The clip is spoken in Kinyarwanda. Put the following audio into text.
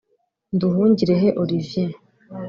Nduhungirehe Olivier